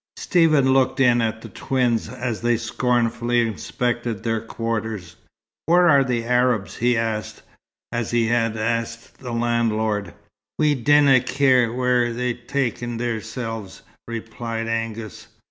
Stephen looked in at the twins, as they scornfully inspected their quarters. "Where are the Arabs?" he asked, as he had asked the landlord. "We dinna ken whaur they've ta'en theirsel's," replied Angus.